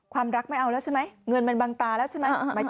ความรักไม่เอาแล้วใช่ไหมเงินมันบังตาแล้วใช่ไหม